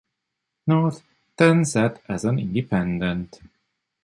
North then sat as an independent.